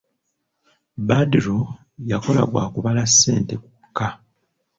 Badru yakola gwa kubala ssente gwokka.